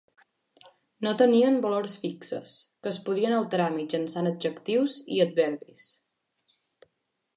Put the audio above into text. No tenien valors fixes, que es podien alterar mitjançant adjectius i adverbis.